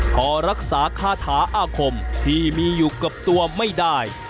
พอรักษาคาถาอาคมที่มีอยู่กับตัวไม่ได้